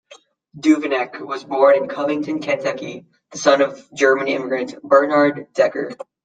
Duveneck was born in Covington, Kentucky, the son of German immigrant Bernhard Decker.